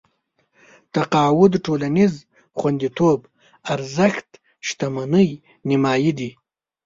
تقاعد ټولنيز خونديتوب ارزښت شتمنۍ نيمايي دي.